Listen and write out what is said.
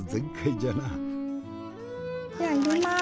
じゃあ入れます！